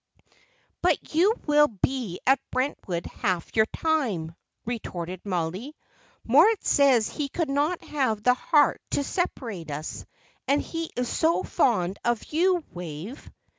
"But you will be at Brentwood half your time," retorted Mollie. "Moritz says he could not have the heart to separate us; and he is so fond of you, Wave."